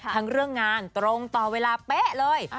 เรื่องงานตรงต่อเวลาเป๊ะเลย